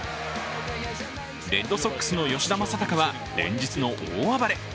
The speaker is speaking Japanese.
レッドソックスの吉田正尚は連日の大暴れ。